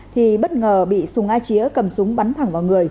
thì bất ngờ bị súng a chía cầm súng bắn thẳng